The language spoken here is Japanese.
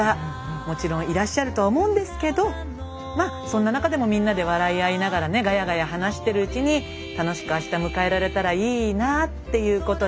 もちろんいらっしゃるとは思うんですけどそんな中でもみんなで笑い合いながらねガヤガヤ話してるうちに楽しくあした迎えられたらいいなっていうことで。